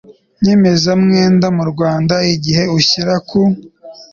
nyemezamwenda mu Rwanda igihe ushyira ku